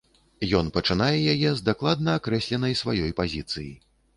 Ён пачынае яе з дакладна акрэсленай сваёй пазіцыі.